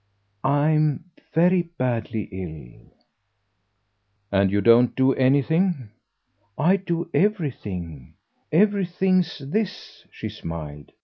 "I'm very badly ill." "And you don't do anything?" "I do everything. Everything's THIS," she smiled.